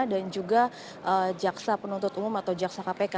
dan juga jaksa penuntut umum atau jaksa kpk